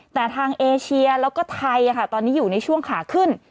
แต่ทางเอเชียแล้วก็ไทยตอนนี้อยู่ในช่วงขาขึ้น